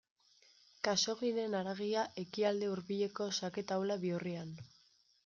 Khaxoggiren haragia Ekialde Hurbileko xake taula bihurrian.